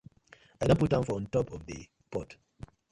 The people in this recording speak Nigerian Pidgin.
I don put am for on top of the pot.